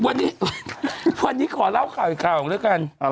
วันนี้วันนี้ขอเล่าข่าวอีกข่าวแล้วกัน